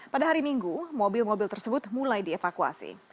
pada hari minggu mobil mobil tersebut mulai dievakuasi